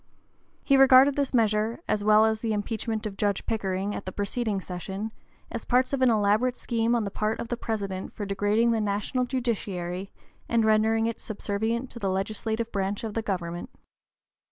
He regarded this measure, as well as the impeachment of Judge Pickering at the preceding session, as parts of an elaborate scheme on the part of the President for degrading the national judiciary and rendering it subservient to the legislative branch of the government.